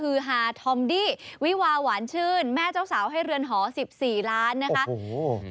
ฮือฮาธอมดี้วิวาหวานชื่นแม่เจ้าสาวให้เรือนหอ๑๔ล้านนะครับ